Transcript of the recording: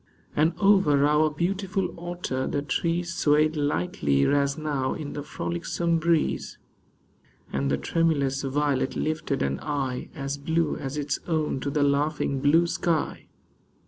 And over our beautiful Otter the trees Swayed lightly as now in the frolicsome breeze ; And the tremulous violet lifted an eye As blue as its own to the laughing blue sky.